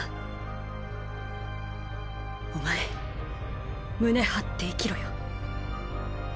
お前胸張って生きろよ。